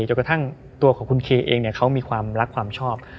จนกระทั่งตัวของคุณเคเองเขามีความรักความชอบ